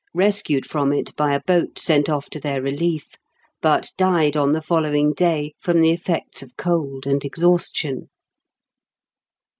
rescued from it by a boat sent off to their relief, but died on the following day from the effects of cold and exhaustion.